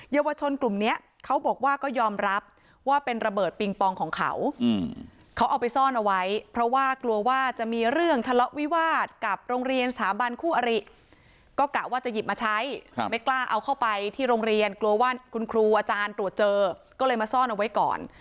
เยาวชนกลุ่มนี้เขาบอกว่าก็ยอมรับว่าเป็นระเบิดปิงปองของเขาเขาเอาไปซ่อนเอาไว้เพราะว่ากลัวว่าจะมีเรื่องทะเลาะวิวาสกับโรงเรียนสถาบันคู่อริก็กะว่าจะหยิบมาใช้ไม่กล้าเอาเข้าไปที่โรงเรียนกลัวว่าคุณครูอาจารย์ตรวจเจอก็เลยมาซ่อนเอาไว้ก่อน